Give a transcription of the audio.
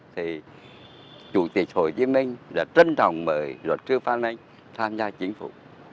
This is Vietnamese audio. thì chủ tịch hồ chí minh đã trân trọng mời luật sư phan anh tham gia chính phủ